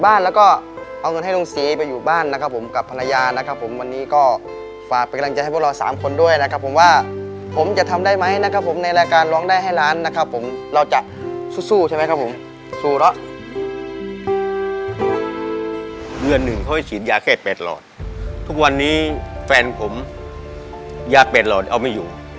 วันหนึ่งเขาให้ฉีดยาแค่แปดหลอดทุกวันนี้แฟนผมยาแปดหลอดเอาไม่อยู่